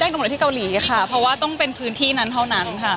ตำรวจที่เกาหลีค่ะเพราะว่าต้องเป็นพื้นที่นั้นเท่านั้นค่ะ